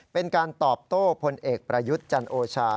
เป็นการตอบโต้พลเอกประยุทธ์จันโอชา